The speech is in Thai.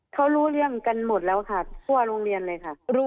เขารู้เรื่องกันหมดแล้วค่ะทั่วโรงเรียนเลยค่ะ